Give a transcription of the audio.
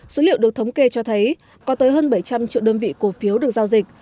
số liệu được thống kê cho thấy có tới hơn bảy trăm linh triệu đơn vị cổ phiếu được giao dịch